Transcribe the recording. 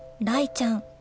雷ちゃん